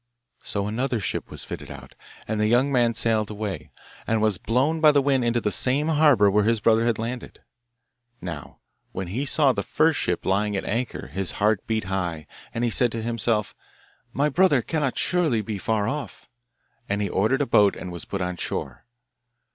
So another ship was fitted out, and the young man sailed away, and was blown by the wind into the same harbour where his brother had landed. Now when he saw the first ship lying at anchor his heart beat high, and he said to himself, 'My brother cannot surely be far off,' and he ordered a boat and was put on shore.